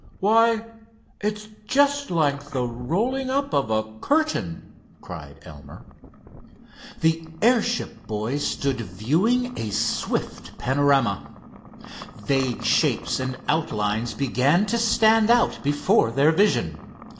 "Why, it's just like the rolling up of a curtain," cried Elmer. The airship boys stood viewing a swift panorama. Vague shapes and outlines began to stand out before their vision.